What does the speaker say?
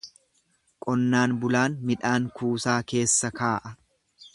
Qonnaan bulaan midhaan kuusaa keessa kaa’a.